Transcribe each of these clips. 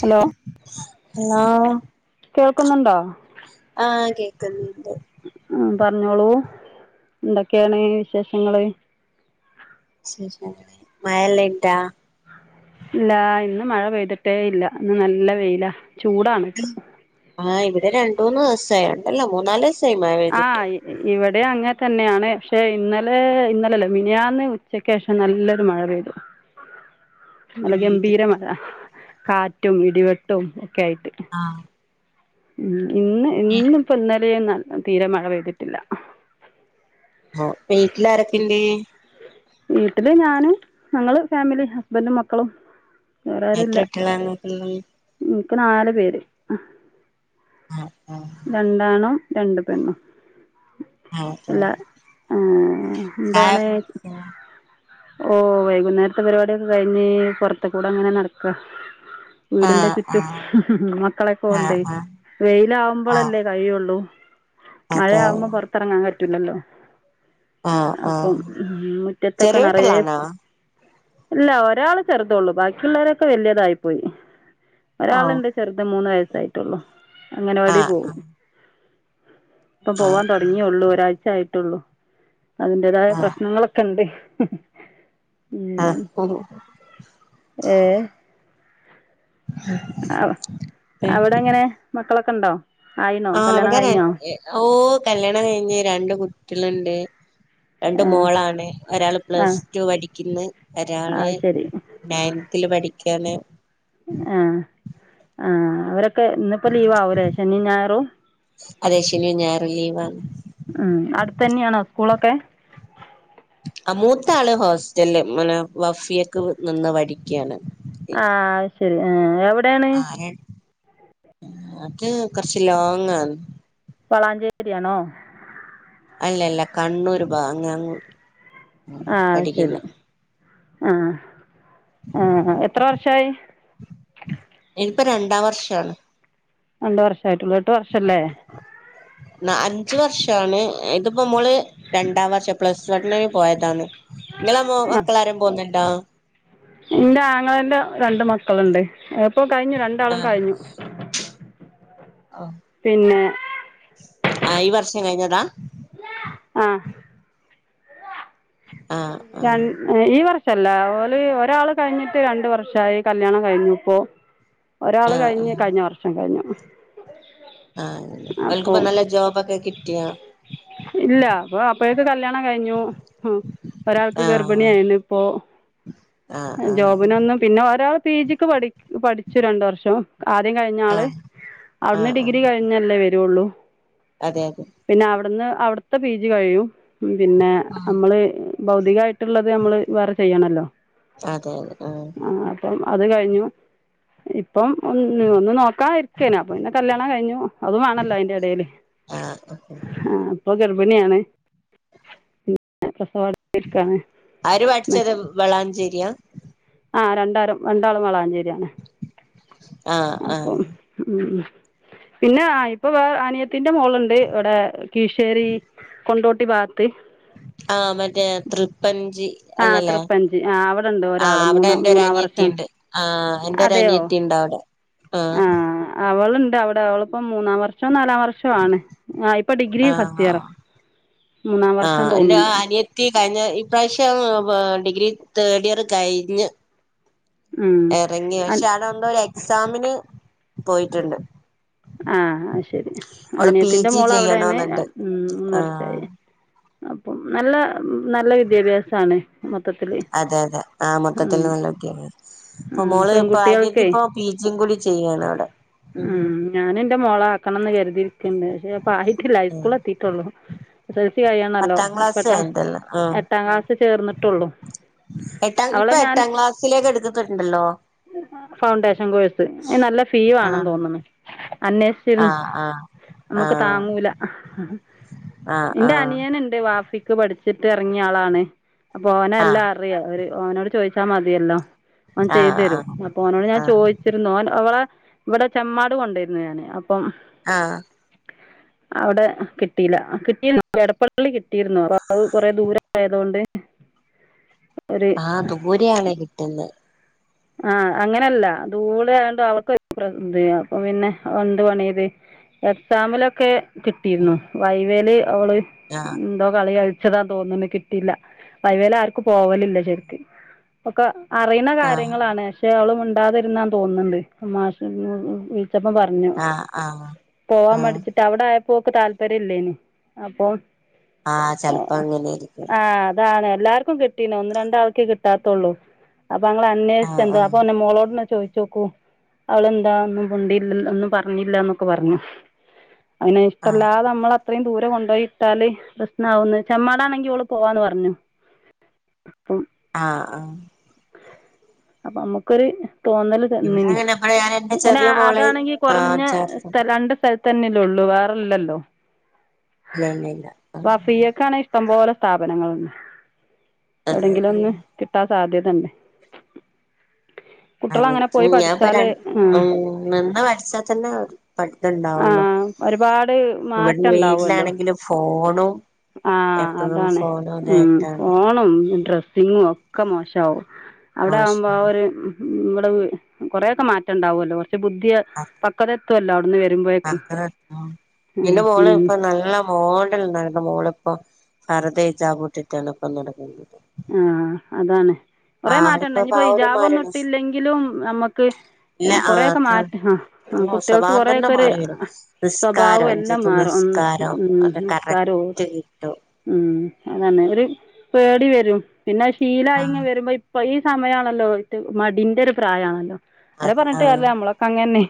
Hello hello. കേൾക്കുന്നുണ്ടോ ആഹ് കേക്ക്ന്ന്ണ്ട്. ആഹ് പറഞ്ഞോളൂ എന്തൊക്കെയാണ് വിശേഷങ്ങള്? ശേഷം മയല്ലയൻണ്ടാ. ല്ലാ ഇന്ന് മഴ പെയ്തിട്ടേ ഇല്ല ഇന്ന് നല്ല വെയില ചൂടാണ് ഇപ ആഹ് ഇവിടെ രണ്ടൂന്ന് ദിസായി രണ്ടല്ല മൂന്നാല്സ് ആഹ് ഇവിടെയങ്ങത്തന്നെയാണ് പഷേ ഇന്നലെ ഇന്നലല്ലാ മിന്ന്നാന്ന് ഉച്ചക് ശേഷം നല്ലൊരു മഴ പെയ്തു. അല്ല പെയ്തിട്ട് ഗംഭീരമഴ കാറ്റും ഇടിവെട്ടും ഒക്കെ ആയിറ്റ്. ആഹ്. ഉം ഇന്ന് ഇന്ന്പ്പ്ഇന്നലെന്നും തീരെ മഴ പെയ്തിട്ടില്ല. വീട്ടിലാരൊക്കെ ഇണ്ട്? വീട്ടില് ഞാന് ഞങ്ങള് ഫാമിലി ഹസ്ബെന്റും മക്കളും. എത്ര വേറാരുല്ല കുട്ടികളാ നിങ്ങക്കുള്ളത് ഇൻക്ക് ന്നാല് പേര് അഹ് ആഹ് ആഹ്. രണ്ടാണും രണ്ട് പെണ്ണും. ആഹ് ഒ ആഹ് എന്താണ് ഓഹ് ഓഹ് വൈകുന്നേരത്തെ പരിപാടിയൊക്കെ കഴിഞ്ഞ് പുറത്തെ കൂടെ ങ്ങനെ നടക്ക വീടിന്റെ ആഹ് ചുറ്റും ആഹ് മക്കളെക്കെ കൊണ്ട് ആഹ് ആഹ് ആഹ് വെയിലാവുമ്പോളല്ലേ കഴിയുള്ളൂ അതെ മഴയാകുമ്പോ പുറത്തിറങ്ങാൻ പറ്റൂല്ലല്ലോ ആഹ് അപ്പം ആഹ് മുറ്റത്തൊക്കെ ചെറിയ നെറയെ കുട്ടികളാണോ ഇല്ല ഒരാള് ചെറുതൊള്ളു ബാക്കിയുള്ളവരൊക്കെ വലിയതായി പോയി, ഓഹ് ഒരാളുണ്ട് ചെറുത് മൂന്ന് വയസ്സായിട്ടൊള്ളു അംഗനവാടി ആഹ് പോകും ഇപ്പം ആഹ് പോവാൻ തൊടങ്ങിയെ ഒള്ളു ഒരാഴ്ച്ച ആയിട്ട് ഒള്ളു അതിന്റെതായ ആഹ് പ്രശ്നങ്ങളൊക്കെ ഉണ്ട് ആഹ് ഏഹ് അ അവിടെങ്ങനെ മക്കളൊക്കെ ഉണ്ടോ ആയിനോ കല്യാണം കഴിഞ്ഞോ ഓഹ് കല്യാണം കഴിഞ്ഞ് രണ്ട് കുട്ടികളുണ്ട് രണ്ട് ആ മോളാണ് ഒരാള് ആ പ്ലസ് ടു പഠിക്കുന്ന്‌ ഒരാള് അത് ശരി നയൻതില് പഠിക്കാണ് ആഹ് ആഹ് അവരൊക്കെ ഇന്നിപ്പോ ലീവ് ആവും ല്ലേ ശനിയും ഞായറും അതേ ശനിയും ഞായറും ലീവാണ് ഉം അടുത്ത്‌ തന്നെയാണോ സ്കൂളൊക്കെ ആഹ് മൂത്തള് ഹോസ്റ്റലില് പിന്നെ വഫിയക്ക് നിന്ന് പഠിക്കുകയാണ് ആഹ് അത് ശരി ആഹ് എവിട് ആഹ് അത് കൊറച്ച് ലോങ് ആന്ന് വളാഞ്ചേരിയാണോ അല്ലല്ലാ കണ്ണൂര് ഭാഗം അങ്ങ് അങ്ങ് ആഹ് അത് ശരി പഠിക്കുന്നെ ആഹ് ആഹ് എത്ര വർഷമായി ഇപ്പോ രണ്ടാം വർഷമാണ് രണ്ട് വർഷമായിട്ടുള്ളൂ എട്ട് വർഷല്ലേ ന അഞ്ച് വർഷമാണ് ഇതിപ്പോ മോള് രണ്ടാം വർഷം പ്ലസ് വണ്ണിന് പോയതാണ് നിങ്ങളെ മൊ മക്കളാരും പോന്നുണ്ടോ ഇന്റെ ആങ്ങളേന്റെ രണ്ട് മക്കളുണ്ട് എപ്പൊ കഴിഞ്ഞു രണ്ടാളും ആഹ് കഴിഞ്ഞു ആഹ് പിന്നെ ആഹ് ഈ വർഷം കഴിഞ്ഞതാ ആഹ് ആഹ് ആഹ് രണ്ട് ഈ വർ ട്ടല്ല ഓല് ഒരാള് കഴിഞ്ഞിട്ട് രണ്ട് വർഷമായി കല്യാണം കഴിഞ്ഞു ഇപ്പോ ഒരാള് ആഹ് കഴിഞ്ഞ് കഴിഞ്ഞ വർഷം കഴിഞ്ഞു ആഹ് അവൾക്ക് അപ്പോ ഇപ്പം നല്ല ജോബൊക്കെ കിട്ടിയോ ഇല്ല അപ്പൊ അപ്പഴേക്ക് കല്യാണം കഴിഞ്ഞു ഹും ഒരാൾക്ക് ആഹ് ഗർഭിണിയ ആയെന് ഇപ്പോ ആഹ് ആഹ് ജോബിനൊന്നും പിന്നെ ഒരാൾ പി ജി ക്ക് പഠി പഠിച്ചു രണ്ട് വർഷം ആദ്യം കഴിഞ്ഞാള് ആഹ് അവിടുന്ന് ആഹ് ആഹ് ഡിഗ്രി കഴി പിന്നല്ലേ വരുവുള്ളൂ അതെ അതെ പിന്നെ അവിടുന്ന് അവിടുത്തെ പീജി കഴിയും പിന്നെ നമ്മള് ഭൗതികായിട്ടുള്ളത് നമ്മള് വേറെ ചെയ്യണോല്ലോ അതെ ആഹ് ആഹ് അപ്പം അത് കഴിഞ്ഞു ഇപ്പം ഒന്ന് ഒന്ന് നോക്കാ ഇരിക്കേനു അപ്പൊ പിന്നെ കല്ല്യാണം കഴിഞ്ഞു അതു വേണംല്ലൊ അയ് എടേല് ആഹ് ആഹ് ഇപ്പോ ഗർഭിണിയാണ് [unintelligible] അവര് പഠിച്ചത് വളാഞ്ചേരിയാ ആഹ് രണ്ടാരും രണ്ടാളും വളാഞ്ചേരിയാണ് ആഹ് ആഹ് അപ്പം ഉം പിന്നായിപ്പൊ വേ അനിയത്തിന്റെ മോളുണ്ട് ഇവിടെ കിഴ്‌ശ്ശേരി കൊണ്ടോട്ടി ഭാഗത്ത് ആഹ് മറ്റേ തൃപ്പഞ്ചി ആ അല്ലല്ലേ തൃപ്പഞ്ച് ആ അവിടെണ്ട് ആഹ് ഒരാള് അവിടെ മൂന്നാ എന്റെ മൂന്നാം വർഷാണ് ഒരനിയത്തിയുണ്ട് ആഹ് അതെയോ എന്റൊരനിയത്തിയിണ്ടവിടെ ആഹ് ആ അവളുണ്ട് അവിടെ അവളിപ്പോം മൂന്നാം വർഷേ നാലാം വർഷോ ആണ് ആഹ് ഇപ്പൊ ഡിഗ്രി ആഹ് ഫസ്റ്റിയറാ മൂന്നാം വർഷം തോന്നുന്നു തീ കഴിഞ്ഞ ഇപ്രാവശ്യം വ ഡിഗ്രി തേഡിയറ് കയിഞ്ഞ് ഉം എറങ്ങി അൻ പഷെ അവിടെന്തൊരു എക്സാമിന് പോയിട്ടുണ്ട് ആഹ് അയ്ശെരി അവള് പി അനിയത്തിന്റെ ജി മോളവിടെയാണ് ചെയ്യണോന്നുണ്ട് ഉം ആഹ് കെറച്ചായി അപ്പം നല്ല നല്ല വിദ്യാഭ്യാസാണ് മൊത്തത്തില് അതെ അതെ ആഹ് ഉം മൊത്തത്തില് നല്ല വിദ്യാഭ്യാസ ഇപ്പൊ ഉം മോളിപ്പ പെൺകുട്ടികൾക്കേ അനിയത്തിപ്പൊ പിജിയും കൂടി ചെയ്യാണ് അവിട ഉം ഞാനെന്റ മോളെ ആക്കണംന്ന് കരുതിയിരിക്കണ്ട് പ്പായിട്ടില്ല ഇസ്കൂൾ എത്തിട്ടുള്ളൂ എസൽസി കഴിയണല്ലോ പത്താം ക്ലാസ് [unintelligible] എ കഴിഞ്ഞിട്ടല്ലേ ആഹ് എട്ടാ ക്ലാസ്സ് ചേർന്നെട്ടുള്ളു എട്ടാം ഇപ്പൊ എട്ടാം ക്ലാസ്സിലേക്ക് എടുക്കത്തിണ്ടല്ലോ ഫൗണ്ടേഷൻ കോഴ്സ് അയിന് നല്ല ഫീവാണം ആഹ് തോന്ന്ന്ന് അന്വേ ച്ച്‌രുന്നു ആഹ് ആഹ് നമ്മക്ക് താങ്ങൂല ആഹ് ആഹ് ഇന്റനിയന്ണ്ട് വാഫി ക്ക് പഠിച്ചിട്ടെറങ്ങിയ ആളാണ് അപ്പൊ ഓനെല്ലറിയ ഒരു ഓനോട് ചോയിച്ച മതിയെല്ലോ അവൻ ആഹ് ആഹ് ചെയ്തരും ആഹ് അപ്പൊ ഓനോട് ഞാൻ ആഹ് ആഹ് ചോയ്ച്ചിരുന്നു അവൻ അവളെ ഇവടെ ചെമ്മാ ത്ത് കൊണ്ടേര്ന്ന് ഞാന് അപ്പം ആഹ്. അവടെ കിട്ടീലാ കിട്ടീര്ന്നു എടപ്പള്ളി കിട്ടീര്ന്നു അപ്പൊ അയ് കൊറെ ദൂരായതൊണ്ട് ആഹ് ദൂരെയാണ് കിട്ട്ന്ന്. ആഹ് അങ്ങനെല്ല ദൂളയാണ്ട് അവക്ക് [unintelligible] അപ്പൊ പിന്നെയെന്ത് പണിയിത് എക്സാമിലൊക്കെ കിട്ടീര്ന്നു വൈവേല് അവള് ഉം. ആഹ് എന്തോ കളി കൾച്ചതാ തോന്ന്ണ് കിട്ടീല്ല വൈവേലാര്ക്കും പോവലില്ല ശെരിക്ക്. ഒക്കെ അറിണ ആഹ് കാര്യങ്ങളാണ് പക്ഷെ അവള് മിണ്ടാതിരുന്നാ തോന്ന്ണ്ട് മാഷെ [unintelligible] ച്ചപ്പം പർഞ്ഞു ആഹ് ആഹ് പോവാം ആഹ് മടിച്ച് ട്ടവടായപ്പോ ഓക്ക് താല്പര്യം ഇല്ലേനി അപ്പൊ ആഹ് ചെൽപ്പ അങ്ങനേര്ക്കും. ആഹ് അതാണ് എല്ലാര്ക്കും കിട്ടീനൊന്ന് രണ്ടാൾക്കെ ക്ട്ടാത്തൊള്ളൂ അപ്പഅ ആഹ് അന്വേഷ്ചെന്താ ആഹ് അപ്പൊ പർഞ് മോളോടന്നെ ചോയ് ചോക്കൂ അവളെന്താ ഒന്നും മിണ്ടീലല്ലോ ഒന്നും പർഞ്ഞില്ലാന്നൊക്ക പർഞു. അങ്ങിനെ ആഹ് ഇഷ്ടല്ലാത നമ്മളെ അത്രീംദൂരം കൊണ്ടോയിട്ടാല് പ്രശ്നാവുന്ന് ചെമ്മാടാണെങ്കി ഓള് പോവാന്ന് പർഞ്ഞു. പ്പം ആഹ് ആഹ്. അപ്പൊമ്മക്കൊര് തോന്നല് ഇവിടെ [unintelligible] അങ്ങനെ ഇവിടെ ഞാൻ എന്റെ പിന്ന ചെറിയ മോളെ അതാണെങ്കി ആ കൊറഞ്ഞ ചേർത്ത് സ്ഥല രണ്ട്സൽ തന്നെല്ലോള്ളൂ വേറല്ലല്ലോ ഇല്ല ഇല്ല ഇല്ല വഫിയക്കാണെ ഇഷ്ടംപോലെ സ്ഥാപനങ്ങളുണ്ട് അതെ എവിടെങ്കിലൊന്ന് കിട്ടാൻ സാധ്യതന്നെ. അങ്ങനെ പോയി ഞാപ്പ പഠിച്ചാല് രണ്ട് ആ ഉം നിന്ന് പഠ്ച്ചാതന്നെ ആ പഠിത്തണ്ടാവൊള്ളു ഒരുപാട് ഇവടെ മാറ്റം വീട്ട്ലാണെങ്കില് ഫോണും ആഹ് എപ്പോഴും അതാണ് ഫോണും ഉം ഇതായിട്ടാണ് ഫോണും ഡ്രസ്സിങ്ങും ഒക്ക മോശാവും. അവടെ ആവുമ്പോ ആ മോശം ഒര് വടെ വ് കൊറേയൊക്ക മാറ്റണ്ടാവുല്ലോ കൊർച്ച് ബുദ്ധിയ പക്കത എത്ത്വല്ലോ. [unintelligible] ആ പിന്നെ [unintelligible] നല്ല മോടെൽ നടന്ന മോള്പ്പോ പർദ്ദയിചാ കൂട്ടിട്ടാണ്പ്പൊ നടക്കുന്നത്. ആഹ് അതാണ് കൊറെ മാറ്റംണ്ട് ആളിപ്പോ ഇഞിപ്പോ ആ ഒരു ഹിജാബൊന്നും മരണ ഇട്ടില്ലെങ്കിലും നമ്മക്ക് ഇല്ല ആ കൊറെയൊക്കമാറ്റം ആഹ് കുട്ട്യാൾക്ക് സ്വഭാവം തന്നെ കൊറയൊക്കൊര് മാറി വരും നിസ്കാരം സ്വഭാവും അഞ്ചത്ത് എല്ലാംമാറും ഉം. നിസ്കാരം ഉം അത് നിസ്ക്കാരോം കറക്റ്റ് കിട്ടും ഉം അതന്നെ ഒര് പേടിവരും പിന്നെ അയ് ആ ശീലായി ഇങ്ങവരുമ്പോ ഇ പ്പോ ഈ സമയാണല്ലോ ഓൽക്ക് മടിന്റെ ഒരു പ്രായാണല്ലോ അവര അതെ ആ പർഞ്ട്ട് കാര്യംല്ലാ ഞമ്മളൊക്ക അങ്ങന്നെ.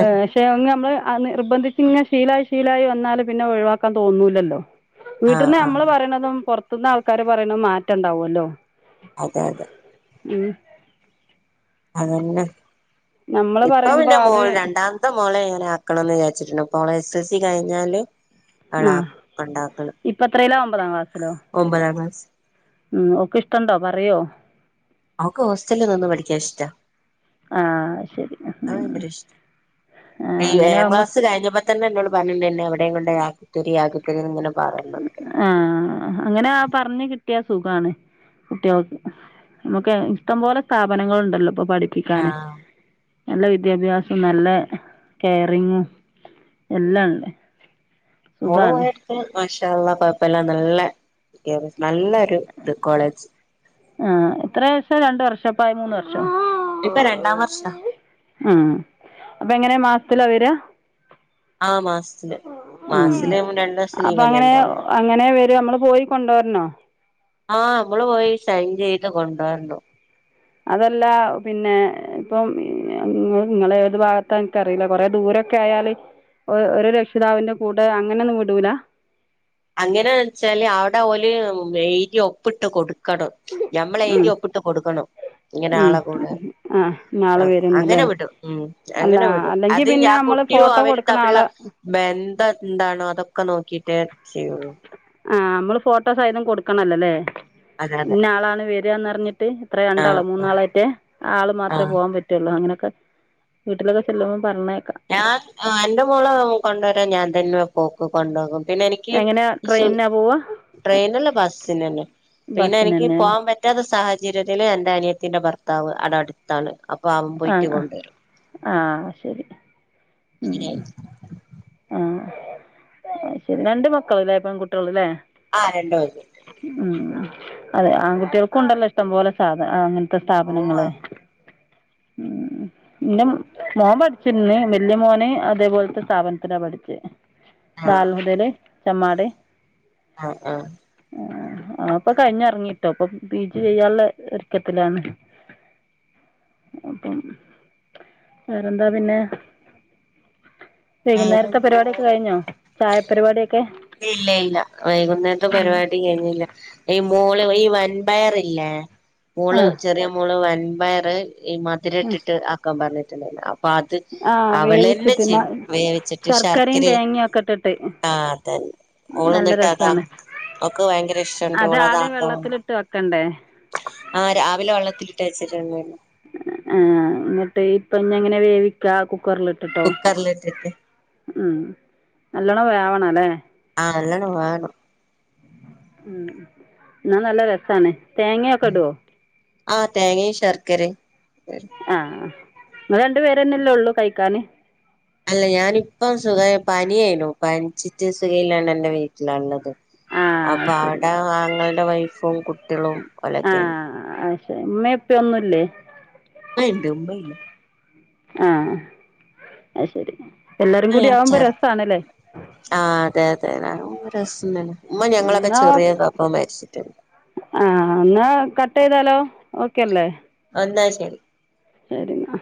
ആഹ്. പക്ഷേ ഒന്ന് നമ്മള് നിർബന്ധിച്ച് ഇങ്ങെ ശീലായി ശീലായി വന്നാല് പിന്നെ ഒഴ് വാക്കാം തോന്നൂലല്ലോ. ആ വീട്ട്ന്ന് ആ ഞമ്മള് പറയണതും പോർത്ത്ന്ന് ആൾക്കാര് പറയണതും മാറ്റണ്ടാവുല്ലോ. അതെ അതെ. ഉം. അതന്നെ നമ്മള് പറയുമ്പോ ഇപ്പൊപിന്നെ അത് മോള് രണ്ടാം മോളെ ഞാനാആക്കണംന്ന് വിചാര്ച്ചിട്ട്ണ്ട് ഓളെ എസൽസി കഴിഞ്ഞാല് അവളെ ആഹ് കൊണ്ടാക്കണം ഇപ്പത്രേലാ ഒമ്പതാംക്ലാസിലോ? ഒമ്പതാം ക്ലാസ് ഉം ഓക്ക്ഇഷ്ടണ്ടോ പറയോ? അവക്ക് ഹോസ്റ്റല് നിന്ന് പഠിക്കാഇഷ്ടാ. ആഹ് ശെരി [unintelligible] ഈ ഏഴാം ക്ലാസ് കഴിഞ്ഞപ്പ തന്നെ എന്നോട് പറഞ്ഞ്ട്ട്ണ്ട് എന്നെ എവടേയും കൊണ്ട് ആക്കി തരി ആക്കി തരി ഇങ്ങനെ പറയ്ണ് ണ്ട് ആഹ് അങ്ങനെ പറഞ്ഞ് കിട്ടിയാ സുഖാണ്. കുട്ട്യാൾക്ക് നമുക്ക് ഇഷ്ടംപോലെ സ്ഥാപനങ്ങള്ണ്ടല്ലോ ഇപ്പം പഠിപ്പിക്കാന് ആ നല്ല വിദ്യാഭ്യാസം നല്ല കെയറിംഗും എല്ലാം ഇണ്ട്. മോള് പോയോട്ത്ത് മാഷാഅല്ലാഹ്‌ കൊഴപ്പല്ലാ നല്ല ക്യാമ്പസ്‌ നല്ലൊരു ഇത് കോളേജ് ആഹ് എത്രവർഷാ രണ്ട് വർഷപ്പായേ മൂന്ന് വർഷോ ഇപ്പൊ രണ്ടാം വർഷാ ഹ്മ്മ് അപ്പം എങ്ങനെ മാസത്തില വരാ ആ മാസത്തില് ഹ്മ്മ് മാസത്തില് രണ്ടു ദിവസം അപ്പം ലീവല്ലേ അങ്ങനെ ഉണ്ടാവും അങ്ങനെ വരാ നമ്മള് പോയി കൊണ്ടോരണോ ആഹ് നമ്മള് പോയി സൈൻ ചെയ്ത് കൊണ്ടോണം. അതല്ല പിന്നെ ഇപ്പം ഇങ്ങള് ഇങ്ങളേത് ഭാഗത്ത ഇൻക്കറീല്ല കൊറെ ദൂരം ഒക്കെ ആയാല് ഒ ഒര് രക്ഷിതാവിന്റെ കൂടെ അങ്ങനൊന്നും വിടൂലാ അങ്ങനെ വെച്ചാല് അവ്ടെ ഓല് എഴുതി ഒപ്പിട്ട് കൊട് ക്കാടും, ഞമ്മളെഴുതി ഒപ്പ്ട്ട് കൊടുക്കണം ഇങ്ങനെ ആളെ കൂടെ ആ നാൾ ആഹ് വരുന്നല്ലേ അങ്ങനെ വിടും ഹ്മ്മ് അല്ല അങ്ങനെ വിടും അല്ലെങ്കിൽ അത് പിന്നെ നമ്മൾ ഇയാൾക്കും കുട്ടോയോ ഫോട്ടോ അവര് കൊടുക്കണ തമ്മില്ള്ള ആളെ ബന്ധം എന്താണോ അതൊക്കെ നോക്കിട്ടേ ചെയ്യൊള്ളൂ. ആഹ് നമ്മള് ഫോട്ടോ സഹിതം കൊടുക്കണം അല്ലല്ലേ അതെ അതെ ഇഞ്ഞ ആളാണ് വെരാന്നറഞ്ഞിട്ട് എത്രെ ആ രണ്ടാളോ ആ മൂന്നാളോ എറ്റെ ആള് ആ മാത്രെ പോകാൻ പറ്റൊള്ളൂ അങ്ങനെയൊക്കെ വീട്ടിലൊക്കെ ചെല്ലുമ്പം പറഞ്ഞേക്ക ഞാൻ ആഹ് എന്റെ മോളെ കൊണ്ടരാൻ ഞാൻ തന്നെ പോക്ക് കൊണ്ടോകും പിന്നെ എനി ക്ക് എങ്ങനെയാണ് സ് ട്രെയിനിനാണോ പോവുക ട്രെയിനല്ല ബസിനന്നെ, പിന്നെ ബസ്സിന് എനിക്ക് തന്നെയാണ് പോകൻ പ റ്റാത്ത സാഹചര്യത്തില് എൻ്റെ അനിയത്തിൻ്റെ ഭർത്താവ് ആടെ അട്ത്താണ് അപ്പം അവൻ പോയിട്ട് കൊണ്ടരും ആഹ് ശെരി. [unintelligible] ആഹ് അത് ശെരി. രണ്ട് മക്കള്ലെ പെൺകുട്ട്യേള്ലെ ആഹ് രണ്ട് മക്കൾ. ഹ്മ്മ് അതെ ആൺകുട്ട്യേൾക്കും ഇണ്ടല്ലോ ഇഷ്ടംപോലെ സാധ ആഹ് അങ്ങൻ ത്തെ ഓ സ്ഥാപനങ്ങള്. ആഹ് ഹ്മ്മ് ഇന്റെ മോൻ പഠിച്ച്ണ് വല്യ മോന് അതേപോൽത്തെ സ്ഥാപൻ ത്തിലാ പഠിച്ചേ ദാറുൽ ഹുതേല് ചെമ്മാട് ആഹ് ആഹ് ആഹ് ആ ഇപ്പം കൈഞ്ഞെറങ്ങിട്ടോ ഇപ്പം പി ജി ചെയ്യാള്ളെ ഒര്ക്കത്തിലാണ് [inaudible] അപ്പം വേറെന്താ പിന്നെ വൈകുന്നേരത്തെ പരിപാടിയൊക്കെ ആഹ് കഴിഞ്ഞോ ചായ പരിപാടിയൊക്കെ ഇല്ല ഇല്ല വൈകുന്നേരത്തെ പരിപാടി കഴ്ഞ്ഞില്ല. ഈ മോള് ഈ വൻപയറില്ലേ ആ മോള് ചെറിയ മോള് വൻപയറ് ഈ മ മതിരട്ടിട്ട് ആക്കാൻ പറഞ്ഞ്ട്ട്ണ്ടായിരുന്നു അപ്പ അത് ആ ആ അവളെന്നെ വേവിച്ചിട്ട് മ ചെയ്യും വേവിച്ചിട്ട് ശർക്കരയും ശർക്കരെ തേങ്ങയൊക്കെ ഇട്ടിട്ട് ആഹ് അതന്നെ ഓള് നല്ല ഇന്നട്ട് അതാ രസമാണ് ഓൾക്ക് ഭയങ്കര ഇഷ്ടണ്ട് അത് ആദ്യം ഓളതാക്കണം വെള്ളത്തിലിട്ട് വെക്കണ്ടേ ആഹ് രാവിലെ വള്ളത്ത്ലിട്ടച്ചിട്ട്ണ്ടായിരുന്നു ആഹ് ഇന്നട്ട് ഇപ്പം ഇഞ്ഞെങ്ങനെ വേവിക്കാ കുക്കറില് കുക്കറ്ലിട്ടിട്ട്. ഉം നല്ലോണം വേവണം അല്ലെ ആഹ് നല്ലോണം വേവണം ഉം എന്നാ നല്ല രസാവാണേ തേങ്ങയൊക്കെ ഇടുവോ ആഹ് തേങ്ങേ ശർക്കരെ ഇടും ആഹ് നിങ്ങള് രണ്ട് പേര് തന്നെ അല്ലേ ഒള്ളൂ കഴിക്കാന് അല്ല ഞാനിപ്പം സുഖവ പനിയായിനു. പനിച്ചിട്ട് സുഖയില്ലാണ്ട് എൻ്റെ വീട്ടിലാള്ളത് ആ അപ്പൊ ശരി അവടെ ആങ്ങളടെ വൈഫും കുട്ടികളും ഓലൊക്കെയാന് ആഹ് ഉമ്മെ ഉപ്പേ ഒന്നുയില്ലേ ഉപ്പ ഒണ്ട് ഉമ്മ ഇല്ല ആഹ് ആഹ് അത് ശരി എല്ലാരും കൂടി ആകുമ്പോ രസവാണല്ലേ ആഹ് അതെ അതെ നല്ല രസം ഉണ്ടായിരുന്നു ഉമ്മ ഞങ്ങളൊക്കെ ചെറിയതാ ഉപ്പ മരിച്ചിട്ട് ആഹ് എന്നാ കട്ട് ചെയ്താലോ ഓക്കയല്ലേ എന്നാ ശരി ശരി എന്നാ